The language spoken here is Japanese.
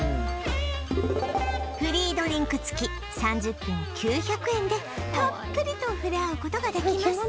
フリードリンク付き３０分９００円でたっぷりと触れ合う事ができます